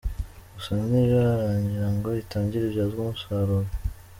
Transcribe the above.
gusa ntirarangira ngo itangire ibyazwe umusaruro.